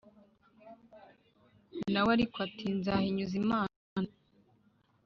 Na we ariko ati "Nzahinyuza Imana".